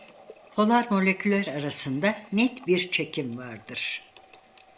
Polar moleküller arasında net bir çekim vardır.